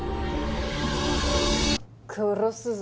殺すぞ。